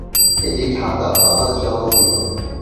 এটি ঢাকা, বাংলাদেশে অবস্থিত।